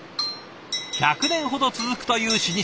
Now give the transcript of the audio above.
１００年ほど続くという老舗。